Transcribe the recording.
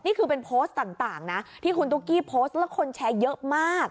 นี่คือเป็นโพสต์ต่างนะที่คุณตุ๊กกี้โพสต์แล้วคนแชร์เยอะมาก